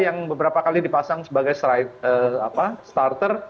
yang beberapa kali dipasang sebagai stripe starter